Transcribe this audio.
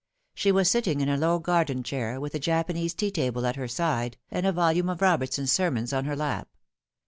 She was sitting in a low garden chair, with a Japanese tea table at her side, and a volume of Robert son's sermons on her lap.